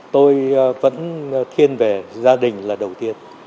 tôi vẫn thiên về gia đình là đầu tiên